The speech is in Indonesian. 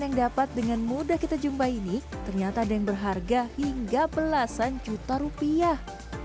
yang dapat dengan mudah kita jumpai ini ternyata ada yang berharga hingga belasan juta rupiah